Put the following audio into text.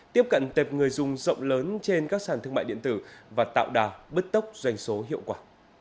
tiếp cận tệp người dùng rộng lớn trên các sàn thương mại điện tử và tạo đà bứt tốc doanh số hiệu quả